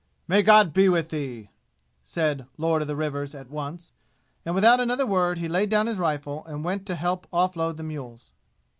"May God be with thee!" said "Lord of the Rivers" at once. And without another word he laid down his rifle and went to help off load the mules.